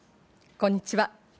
こんにちは。